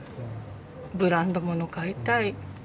「ブランド物買いたい。